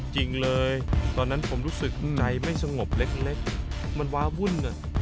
จริงเลยตอนนั้นผมรู้สึกใจไม่สงบเล็กมันว้าวุ่น